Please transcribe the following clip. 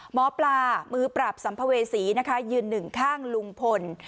หมอปลามือปราบสัมภเวษีนะคะยืนหนึ่งข้างลุงพล